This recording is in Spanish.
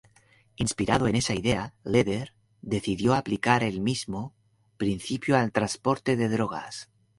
Inspirado en esa idea, Lehder decidió aplicar el mismo principio al transporte de drogas.